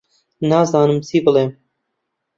نازانم جێ بڵێم